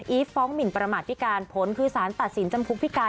ีฟฟ้องหมินประมาทพิการผลคือสารตัดสินจำคุกพิการ